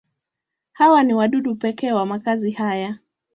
Hawa ni wadudu pekee wa makazi haya.